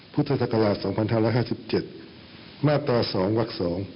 พุทธศักราช๒๕๕๗มาตรา๒วัก๒